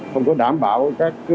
không có đảm bảo các